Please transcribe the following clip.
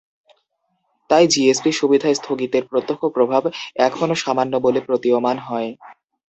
তাই জিএসপি সুবিধা স্থগিতের প্রত্যক্ষ প্রভাব এখনো সামান্য বলে প্রতীয়মান হয়।